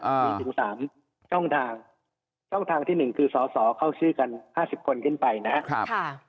มีถึงสามช่องทางช่องทางที่หนึ่งคือสอสอเข้าชื่อกันห้าสิบคนขึ้นไปนะครับค่ะ